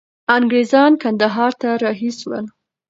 انګریزان کندهار ته را رهي سول.